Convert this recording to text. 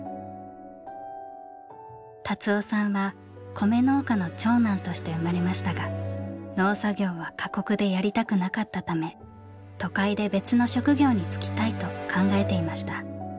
達夫さんは米農家の長男として生まれましたが農作業は過酷でやりたくなかったため都会で別の職業に就きたいと考えていました。